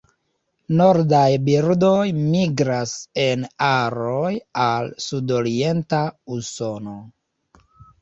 Nordaj birdoj migras en aroj al sudorienta Usono.